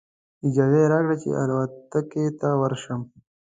اجازه یې راکړه چې الوتکې ته ورشم.